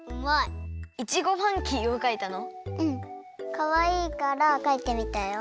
かわいいからかいてみたよ。